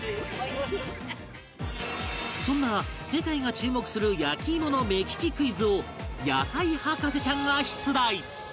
そんな世界が注目する焼き芋の目利きクイズを野菜博士ちゃんが出題